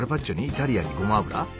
イタリアンにごま油？